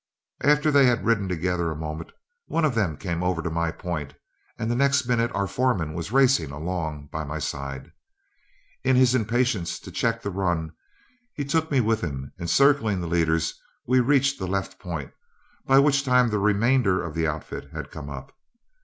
After they had ridden together a moment, one of them came over to my point, and the next minute our foreman was racing along by my side. In his impatience to check the run, he took me with him, and circling the leaders we reached the left point, by which time the remainder of the outfit had come up.